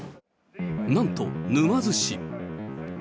なんと沼津市。